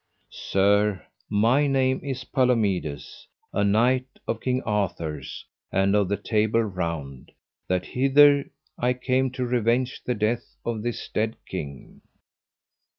Sir, my name is Palomides, a knight of King Arthur's, and of the Table Round, that hither I came to revenge the death of this dead king.